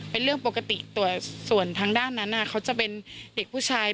เป็นเรื่องปกติส่วนทางด้านนั้นเขาจะเป็นเด็กผู้ชาย